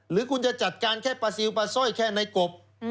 หรือคุณจะจัดการแค่ปลาซิลปลาสร้อยแค่ในกบ